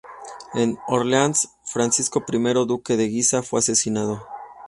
En Orleans, Francisco I, duque de Guisa, fue asesinado.